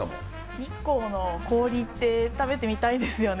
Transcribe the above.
日光の氷って食べてみたいですよね。